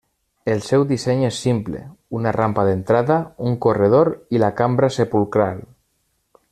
El seu disseny és simple: una rampa d'entrada, un corredor i la cambra sepulcral.